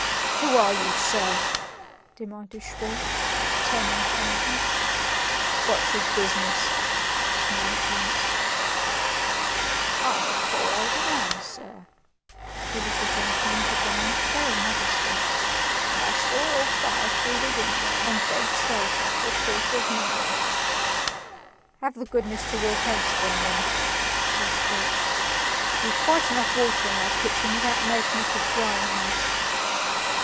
"Who are you, sir?" demanded Schwartz, turning upon him. "What's your business?" snarled Hans. "I'm a poor old man, sir," the little gentleman began very modestly, "and I saw your fire through the window and begged shelter for a quarter of an hour." "Have the goodness to walk out again, then," said Schwartz. "We've quite enough water in our kitchen without making it a drying house."